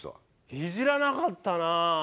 イジらなかったな。